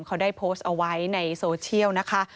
เขาได้โพสต์เอาไว้ในโซเชียลนะคะ